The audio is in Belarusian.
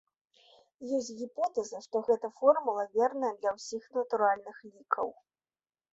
Ёсць гіпотэза, што гэта формула верная для ўсіх натуральных лікаў.